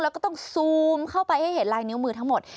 แล้วก็ต้องซูมเข้าไปให้เห็นลายนิ้วมือทั้งหมด